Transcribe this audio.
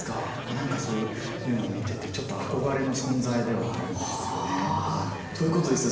なんかそういうの見ててちょっと憧れの存在ではあるんですよね。ということでですね